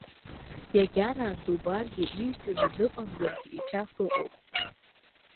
Иагьараан дубаргьы, ижәӡаны дыҟамзаргьы, иқьаф ыҟоуп.